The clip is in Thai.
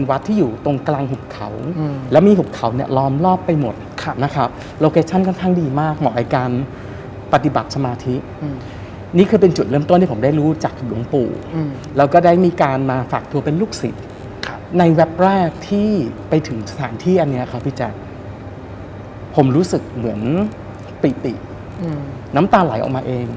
รู้สึกเหมือนปิติน้ำตาไหลออกมาเอง